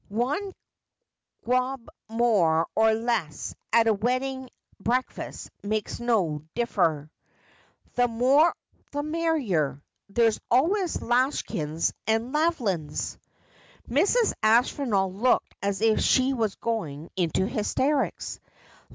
Wan gob more or less at a weddin' breakfast makes no differ. The more the merrier. There's always lashins and lavins.' Mrs. Aspinall looked as if she was going into hysterics.